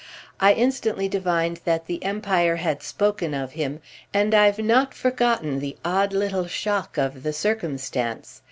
I instantly divined that The Empire had spoken of him, and I've not forgotten the odd little shock of the circumstance.